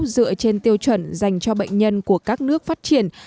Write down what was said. dựa trên tiêu chuẩn dành cho bệnh nhân của các nước phát triển